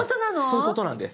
そういうことなんです。